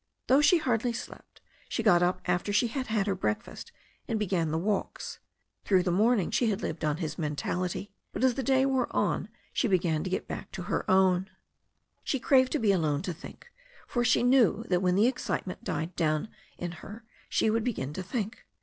Though she hardly slept, she got up after she had had her breakfast and began the walks. Through the morning she still lived on his men io8 THE STORY OF A NEW ZEALAND RIVER tality, but as the day wore on she began to get back to her own. She craved to be alone to think, for she knew that when the excitement died down in her she would begin to think.